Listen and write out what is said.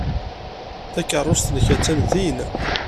Takeṛṛust-nnek attan din.